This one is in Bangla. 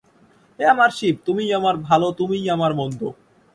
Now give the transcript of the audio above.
হে আমার শিব, তুমিই আমার ভাল, তুমিই আমার মন্দ।